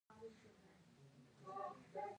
د نسکو دال ژر پخیږي.